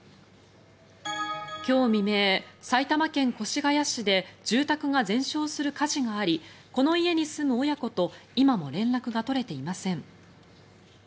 今日未明、埼玉県越谷市で住宅が全焼する火事がありこの家に住む親子と今も連絡が取れていません。